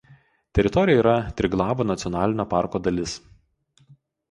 Teritorija yra Triglavo nacionalinio parko dalis.